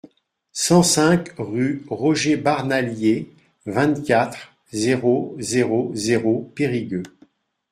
cent cinq rue Roger Barnalier, vingt-quatre, zéro zéro zéro, Périgueux